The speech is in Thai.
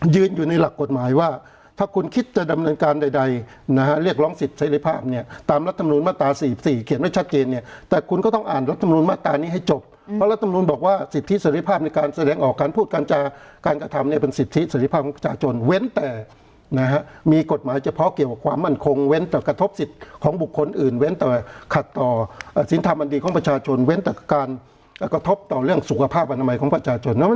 ยืนอยู่ในหลักกฎหมายว่าถ้าคุณคิดจะดำเนินการใดใดนะฮะเรียกร้องสิทธิ์เสร็จภาพเนี่ยตามรัฐธรรมนูญมาตราสี่สี่เขียนไว้ชัดเจนเนี่ยแต่คุณก็ต้องอ่านรัฐธรรมนูญมาตรานี้ให้จบเพราะรัฐธรรมนูญบอกว่าสิทธิเสร็จภาพในการแสดงออกการพูดการจากการกระทำเนี่ยเป็นสิทธิเสร็จ